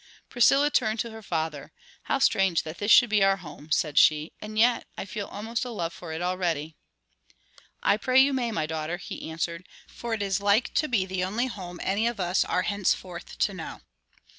Priscilla turned to her father. "How strange that this should be our home!" said she. "And yet I feel almost a love for it already." "I pray you may, my daughter," he answered, "for it is like to be the only home any of us are henceforth to know."